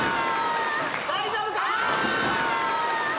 大丈夫か？